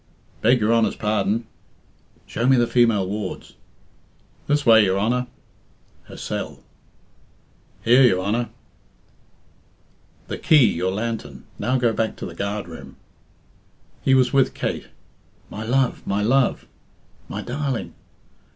Beg your Honour's pardon." "Show me the female wards." "This way your Honour." "Her cell." "Here, your Honour." "The key; your lantern. Now go back to the guard room." He was with Kate. "My love, my love!" "My darling!"